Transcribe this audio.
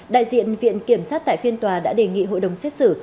đại diện viện kiểm sát tại phiên tòa đã đề nghị hội đồng xét xử